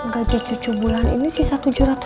gaji cucu bulan ini sisa rp tujuh ratus